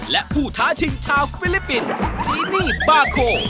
และผู้ท้าชิงชาวฟิลิปปินส์จีนี่บาโค